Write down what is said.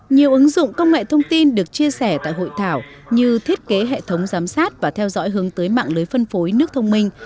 nhiều ứng dụng công nghệ thông tin được chia sẻ tại hội thảo như thiết kế hệ thống giám sát và theo dõi hướng tới mạng lưới phân phối nước thông minh